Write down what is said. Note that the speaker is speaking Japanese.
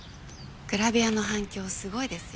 グラビアの反響すごいですよ。